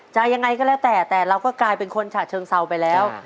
ยังไงก็แล้วแต่แต่เราก็กลายเป็นคนฉะเชิงเซาไปแล้ว